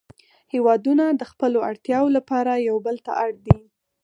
هیوادونه د خپلو اړتیاوو لپاره یو بل ته اړ دي